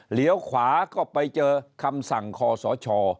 เหลียวขวาก็ไปเจอคำสั่งคอสช